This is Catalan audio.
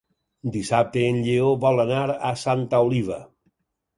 Dissabte en Lleó vol anar a Santa Oliva.